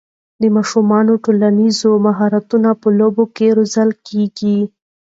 د ماشومانو ټولنیز مهارتونه په لوبو کې روزل کېږي.